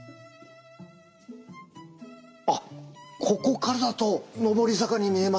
あっここからだと上り坂に見えます。